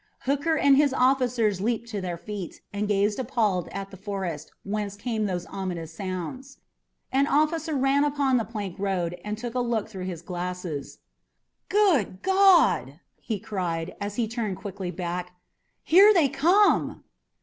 Hooker and his officers leaped to their feet and gazed appalled at the forest whence came those ominous sounds. An officer ran upon the plank road and took a look through his glasses. "Good God!" he cried, as he turned quickly back. "Here they come!"